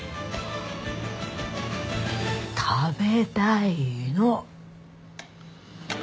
食べたいの。